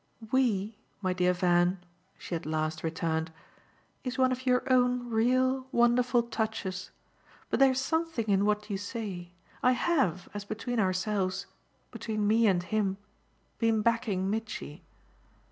"'We,' my dear Van," she at last returned, "is one of your own real, wonderful touches. But there's something in what you say: I HAVE, as between ourselves between me and him been backing Mitchy.